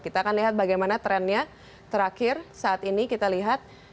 kita akan lihat bagaimana trennya terakhir saat ini kita lihat